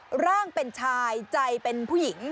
ร่างเป็นชายใจเป็นผู้หญิง